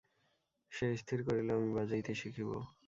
সে স্থির করিল, আমি বাজাইতে শিখিব।